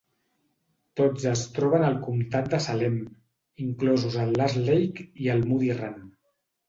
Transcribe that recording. Tots es troben al comtat de Salem, inclosos el Last Lake i el Muddy Run.